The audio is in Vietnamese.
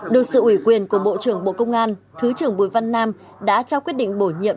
được sự ủy quyền của bộ trưởng bộ công an thứ trưởng bùi văn nam đã trao quyết định bổ nhiệm